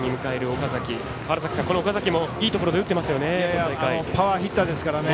岡崎もいいところで打ってますよね。